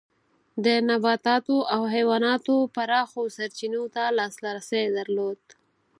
د نباتاتو او حیواناتو پراخو سرچینو ته لاسرسی درلود.